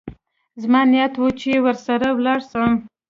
زما نيت و چې ورسره ولاړ سم.